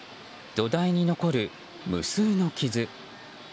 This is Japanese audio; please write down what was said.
土台に残る無数の傷。